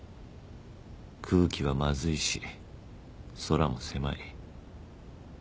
空気はまずいし空も狭い